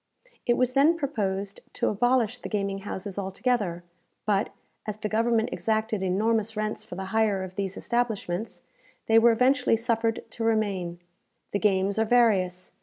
It was then proposed to abolish the gaming houses altogether; but, as the government exacted enormous rents for the hire of these establishments, they were eventually suffered to remain. The games are various.